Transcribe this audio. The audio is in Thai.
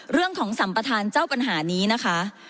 เรื่องของสัมประธานเจ้าปัญหานี้นะคะ